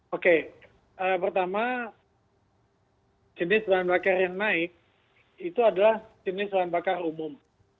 oke pertama jenis bahan bakar yang naik itu adalah jenis bahan bakar umum